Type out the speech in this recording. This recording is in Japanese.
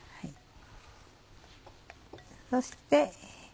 そして。